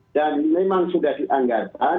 dan memang sudah dianggarkan